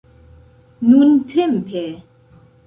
nuntempe